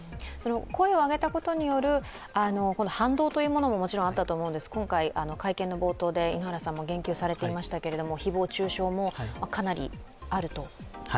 声を上げたことによる反動ももちろんあったと思うんですけど、今回、会見の冒頭で井ノ原さんも言及されてましたけど誹謗中傷もかなりあると。